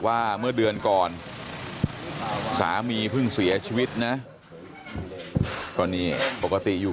ว่าเมื่อเดือนก่อนสามีเพิ่งเสียชีวิตนะก็นี่ปกติอยู่